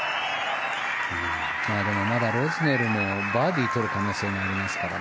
でもロズネルもバーディーを取る可能性ありますから。